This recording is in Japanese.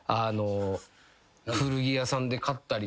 古着屋さんで買ったりとか。